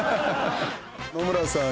野村さん